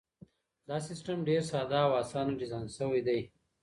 دا سیستم ډېر ساده او اسانه ډیزاین سوی دی.